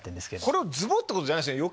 これをズボ！ってことじゃないですよね